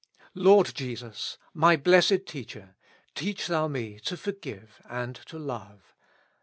Lord Jesus ! my Blessed Teacher ! teach Thou me to forgive and to love.